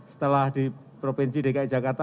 setelah di provinsi dki jakarta